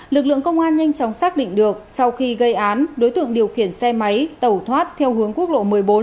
lực lượng công an nhanh chóng xác định được sau khi gây án đối tượng điều khiển xe máy tẩu thoát theo hướng quốc lộ một mươi bốn